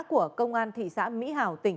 của công an thị xã mỹ hào tỉnh